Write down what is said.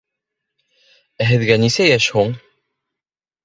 — Ә һеҙгә нисә йәш һуң?